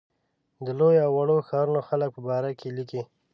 د لویو او وړو ښارونو خلکو په باره کې لیکي.